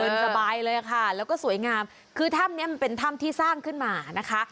สบายเลยค่ะแล้วก็สวยงามคือถ้ำเนี้ยมันเป็นถ้ำที่สร้างขึ้นมานะคะ